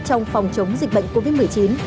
trong phòng chống dịch bệnh covid một mươi chín